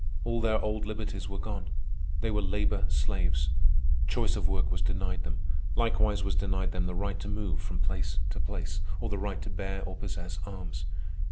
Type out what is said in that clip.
All their old liberties were gone. They were labor slaves. Choice of work was denied them. Likewise was denied them the right to move from place to place, or the right to bear or possess arms.